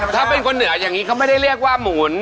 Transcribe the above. ถ้าเป็นคนเหนืออย่างนี้เขาไม่ได้เรียกว่าหมุน